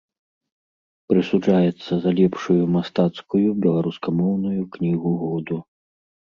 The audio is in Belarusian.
Прысуджаецца за лепшую мастацкую беларускамоўную кнігу году.